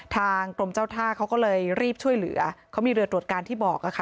ทางกรมเจ้าท่าเขาก็เลยรีบช่วยเหลือเขามีเรือตรวจการที่บอกค่ะ